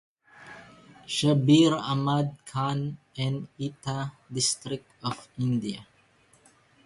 Shabbir Ahmad Khan in Etah district of India.